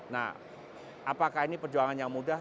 nah apakah ini perjuangan yang mudah